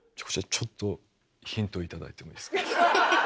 ちょっとヒントを頂いてもいいですか？